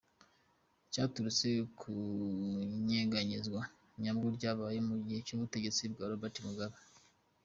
Cyaturutse ku inyeganyezwa ryabwo ryabaye mu gihe cy'ubutegetsi bwa Robert Mugabe.